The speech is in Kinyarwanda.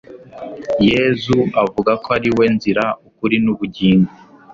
yezuavuga ko ariwe nzira, ukuri n'ubugingo